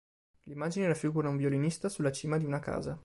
L'immagine raffigura un violinista sulla cima di una casa.